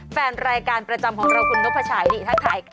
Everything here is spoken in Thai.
แฟนรายการประจำของเราคุณนกพระชายนี่ทักทาย